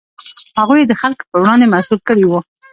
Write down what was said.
هغوی یې د خلکو په وړاندې مسوول کړي وو.